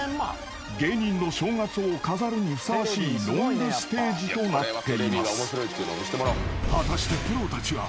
［芸人の正月を飾るにふさわしいロングステージとなっています］